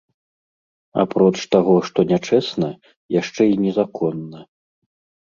Апроч таго, што нячэсна, яшчэ й незаконна.